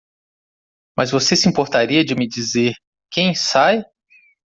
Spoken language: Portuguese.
Mas você se importaria de me dizer quem sai?